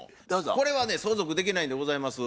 これはね相続できないんでございます。